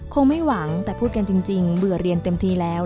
คงไม่หวังแต่พูดกันจริงเบื่อเรียนเต็มทีแล้ว